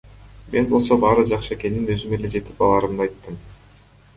Мен болсо баары жакшы экенин, өзүм эле жетип алаарымды айттым.